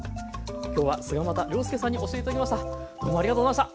今日は菅又亮輔さんに教えて頂きました。